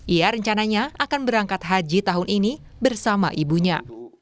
ia rencananya akan berangkat haji tahun ini bersama ibunya